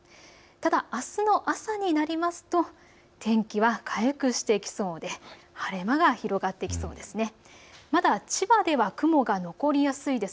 ただ、あすの朝になりますと天気は回復してきそうで、晴れ間が広がってきそうです。